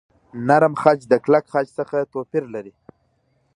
نرم خج د کلک خج څخه توپیر لري.